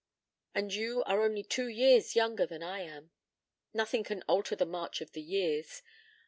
And you are only two years younger than I am. Nothing can alter the march of the years.